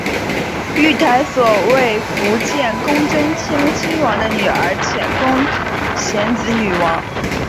御台所为伏见宫贞清亲王的女儿浅宫显子女王。